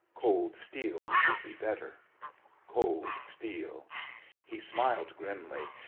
Cold steel would be better. Cold steel! He smiled grimly.